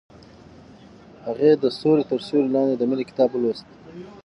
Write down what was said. هغې د ستوري تر سیوري لاندې د مینې کتاب ولوست.